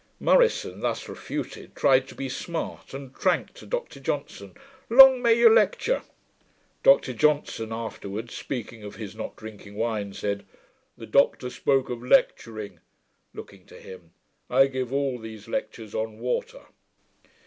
Murison, thus refuted, tried to be smart, and drank to Dr Johnson, 'Long may you lecture!' Dr Johnson afterwards, speaking of his not drinking wine, said, 'The Doctor spoke of lecturing' (looking to him). 'I give all these lectures on water.'